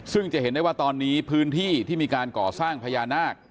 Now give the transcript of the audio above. ซึ่งจะเห็นได้ว่าตอนนี้พื้นที่ที่มีการก่อสร้างพญานาค